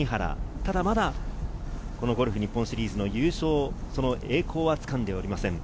ただまだ、このゴルフ日本シリーズの優勝、その栄光はつかんでおりません。